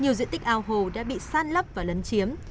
nhiều diện tích ao hồ đã bị san lấp và lấn chiếm